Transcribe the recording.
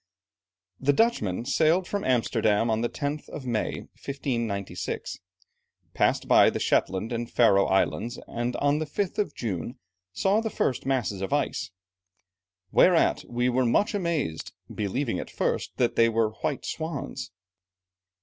The Dutchmen sailed from Amsterdam on the 10th of May, 1596, passed by the Shetland and Faröe Islands, and on the 5th of June, saw the first masses of ice, "whereat we were much amazed, believing at first that they were white swans."